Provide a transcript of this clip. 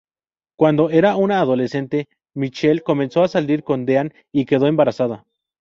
Cuando era una adolescente Michelle comenzó a salir con Dean y quedó embarazada.